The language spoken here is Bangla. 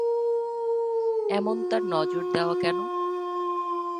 এমন তার নজর দেওয়া কেন?